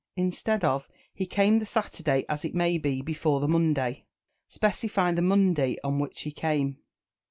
Instead of "He came the Saturday as it may be before the Monday," specify the Monday on which he came.